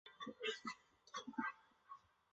随后任命陈先为国家统计局局长。